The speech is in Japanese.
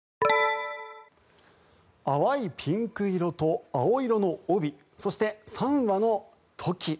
淡いピンク色と青色の帯そして３羽のトキ。